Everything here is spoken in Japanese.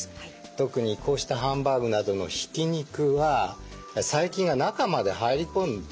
特にこうしたハンバーグなどのひき肉は細菌が中まで入り込んでしまっています。